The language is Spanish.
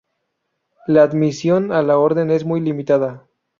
La admisión a la orden es muy limitada.